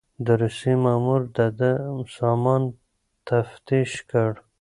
د روسيې مامور د ده سامان تفتيش کړ.